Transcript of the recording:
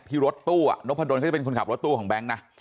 ที่รถตู้นกพันธุลก็จะเป็นคนขับรถตู้ของแบงค์นะ